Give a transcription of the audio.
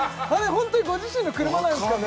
ホントにご自身の車なんですかね？